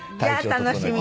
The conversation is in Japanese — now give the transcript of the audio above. じゃあ楽しみ。